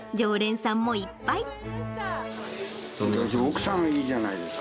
だって奥さんがいいじゃないですか。